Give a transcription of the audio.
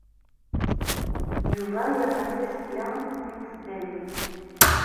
Yuba yeɣra tasekla deg tesdawit.